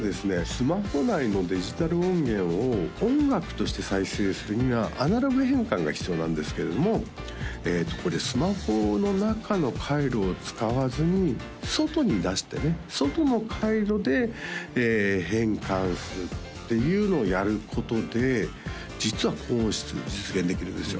スマホ内のデジタル音源を音楽として再生するにはアナログ変換が必要なんですけれどもこれスマホの中の回路を使わずに外に出してね外の回路で変換するっていうのをやることで実は高音質実現できるんですよ